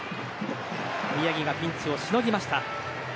宮城がピンチをしのぎました。